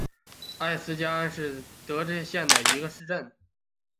艾斯加恩是奥地利下奥地利州格明德县的一个市镇。